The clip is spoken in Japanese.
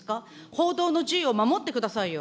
報道の自由を守ってくださいよ。